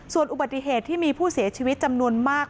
ส่วนอุบัติเหตุที่มีผู้เสียชีวิตจำนวนมาก